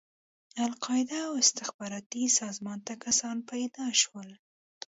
القاعده او استخباراتي سازمان ته کسان پيدا شول.